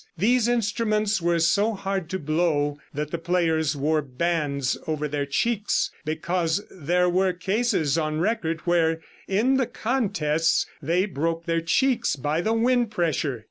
These instruments were so hard to blow that the players wore bands over their cheeks because there were cases on record where, in the contests, they broke their cheeks by the wind pressure.